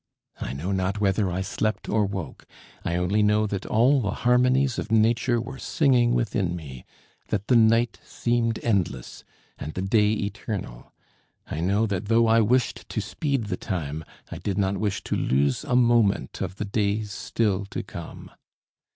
I know not whether I slept or woke. I only know that all the harmonies of nature were singing within me; that the night seemed endless, and the day eternal; I know that though I wished to speed the time, I did not wish to lose a moment of the days still to come.